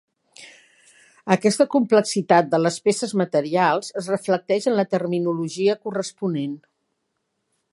Aquesta complexitat de les peces materials es reflecteix en la terminologia corresponent.